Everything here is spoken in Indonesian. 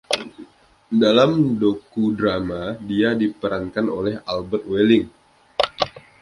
Dalam docudrama dia diperankan oleh Albert Welling.